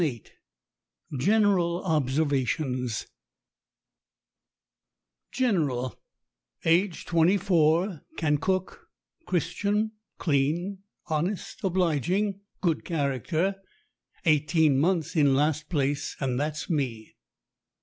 VIII GENERAL OBSERVATIONS GENERAL, age twenty four, can cook, Christian, clean, honest, obliging, good character, eighteen months in last place and that's me.